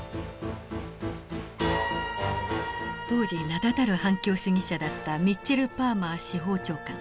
当時名だたる反共主義者だったミッチェル・パーマー司法長官。